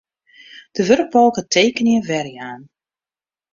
De wurkbalke Tekenje werjaan.